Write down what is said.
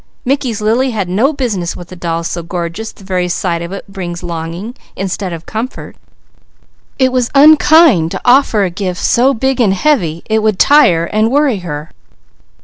Mickey's Lily has no business with a doll so gorgeous the very sight of it brings longing, instead of comfort. It was unkind to offer a gift so big and heavy it would tire and worry her."